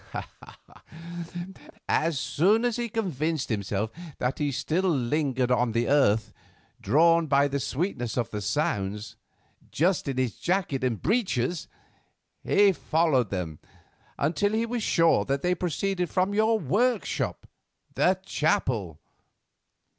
As soon as he convinced himself that he still lingered on the earth, drawn by the sweetness of the sounds, 'just in his jacket and breeches,' he followed them, until he was sure that they proceeded from your workshop, the chapel.